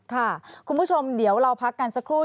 คุณผู้ชมเดี๋ยวเราพักกันสักครู่